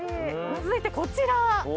続いてこちら。